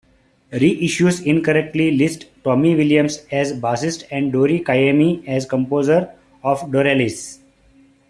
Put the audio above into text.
"Reissues incorrectly list Tommy Williams as bassist, and Dori Caymmi as composer of "Doralice".